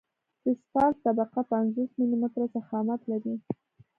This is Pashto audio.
د اسفالټ طبقه پنځوس ملي متره ضخامت لري